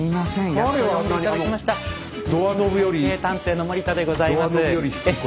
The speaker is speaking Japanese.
「歴史探偵」の森田でございます。